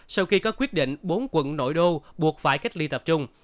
sau khi có quyết định bốn quận nội đô buộc phải cách ly tập trung